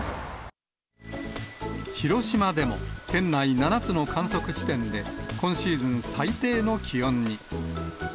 広島でも、県内７つの観測地点で今シーズン最低の気温に。